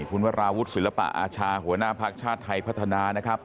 คุณวราวุฒิศิลปะอาชาหัวหน้าภักดิ์ชาติไทยพัฒนานะครับ